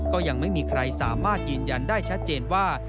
ก็ยังไม่มีใครสามารถยืนยันได้ชัดเจนว่า